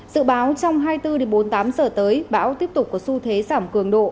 dự báo trong hai mươi bốn bốn mươi tám giờ tới bão tiếp tục có xu thế giảm cường độ